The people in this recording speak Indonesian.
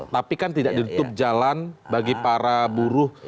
tapi kan tidak ditutup jalan bagi para buruh